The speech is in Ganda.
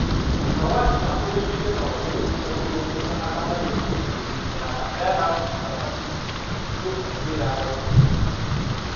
Kaawaase akulembeddemu abasuubuzi okulongoosa akatale n'okugogola emyala, era n'akuutira abasuubuzi bulijjo okubeera abayonjo.